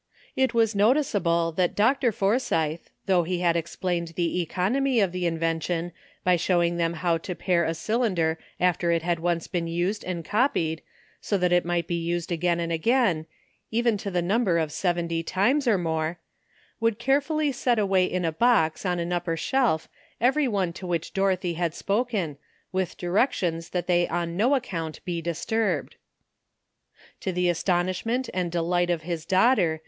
It was noticeable that Dr. Forsythe, though he had explained the economy of the invention, by showing them how to pare a cylinder after it had once been used and copied, so that it might be used again and again, even to the number of seventy times or more, would care fully set away in a box on an upper shelf every one to which Dorothy had spoken, with direc tions that they on no account be disturbed. To the astonishment and delight of his daugh ter.